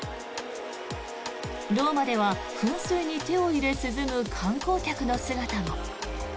ローマでは噴水に手を入れ、涼む観光客の姿も。